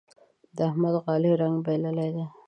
د احمد غالۍ رنګ بايللی دی.